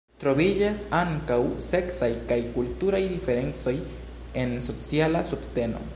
Troviĝas ankaŭ seksaj kaj kulturaj diferencoj en sociala subteno.